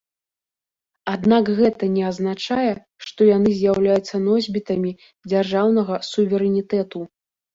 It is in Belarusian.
Аднак гэта не азначае, што яны з'яўляюцца носьбітамі дзяржаўнага суверэнітэту.